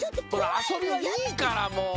あそびはいいからもう。